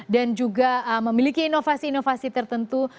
dan juga memiliki inovasi inovasi tertentu